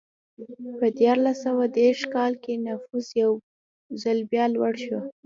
په دیارلس سوه دېرش کال کې نفوس یو ځل بیا لوړ شو.